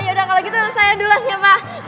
yaudah kalau gitu saya dulu nih pak